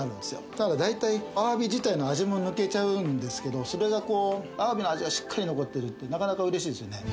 ただ大体アワビ自体の味も抜けちゃうんですけどそれがアワビの味はしっかり残ってるって嬉しいですよね